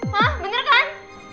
hah bener kan